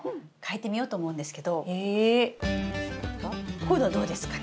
こういうのどうですかね？